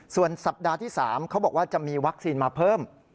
ส่วนสัปดาห์ที่๓เขาบอกว่าจะมีวัคซีนมาเพิ่ม